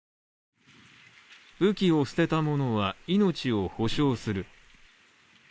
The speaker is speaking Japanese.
武器を捨てた者は、命を保証する。